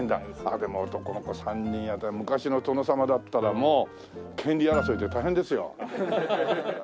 でも男の子３人で昔の殿様だったらもう権利争いで大変ですよ。